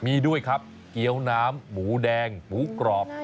มีด้วยครับเกี้ยวน้ำหมูแดงหมูกรอบ